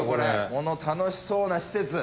この楽しそうな施設。